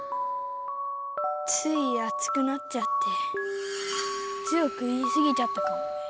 ついあつくなっちゃって強く言いすぎちゃったかも。